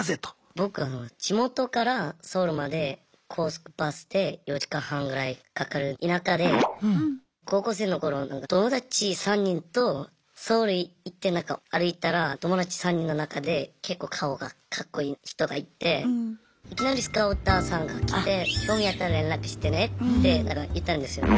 僕は地元からソウルまで高速バスで４時間半ぐらいかかる田舎で高校生の頃友達３人とソウル行ってなんか歩いたら友達３人の中で結構顔がかっこいい人がいていきなりスカウターさんが来て「興味あったら連絡してね」って言ったんですよ。